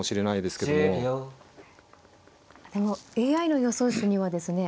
ＡＩの予想手にはですね。